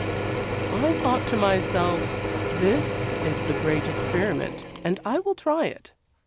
'I thought to myself, "This is the great experiment, and I will try it."